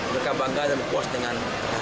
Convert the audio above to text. mereka bangga dan puas dengan